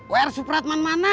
w r supratman mana